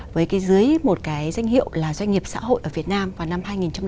với dưới một cái danh hiệu là doanh nghiệp xã hội ở việt nam vào năm hai nghìn một mươi